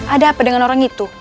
ada apa dengan orang itu